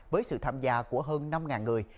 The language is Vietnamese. với sự tham gia của hơn năm người